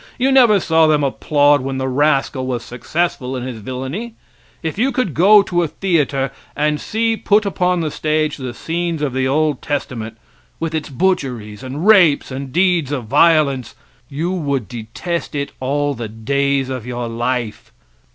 You never saw them applaud when the rascal was successful in his villainy. If you could go to a theater and see put upon the stage the scenes of the old testament, with its butcheries and rapes and deeds of violence, you would detest it all the days of your life.